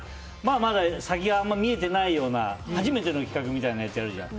まだ先があまり見えてないような初めての企画みたいなやつあるじゃん。